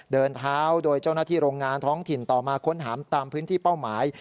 เดินเท้าโดยเจ้าหน้าที่โรงงานท้องถิ่นต่อมาค้นหาตามพื้นที่เป้าหมาย